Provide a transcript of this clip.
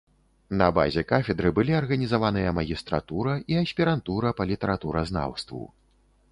На базе кафедры былі арганізаваныя магістратура і аспірантура па літаратуразнаўству.